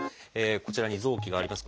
こちらに臓器があります。